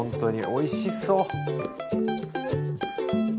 おいしそう！